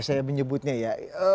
saya menyebutnya ya